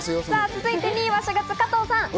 続いて２位は４月、加藤さん。